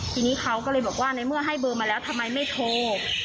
ทีนี้เขาก็เลยบอกว่าในเมื่อให้เบอร์มาแล้วทำไมไม่โทร